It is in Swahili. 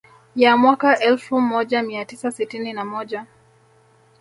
Y mwaka Elfu moja mia tisa sitini na moja